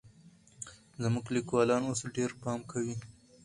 زموږ ليکوالان اوس ډېر پام کوي.